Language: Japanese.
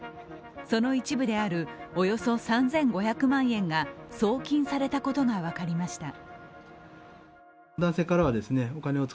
その一部であるおよそ３５００万円が送金されたことが分かりました。